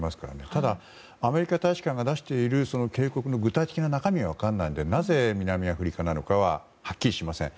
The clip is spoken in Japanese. ただアメリカ大使館が出している警告の具体的な中身が分からないのでなぜ南アフリカなのかははっきりしません。